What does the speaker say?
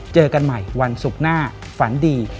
เจอกันใหม่วันศุกร์หน้าฝันดี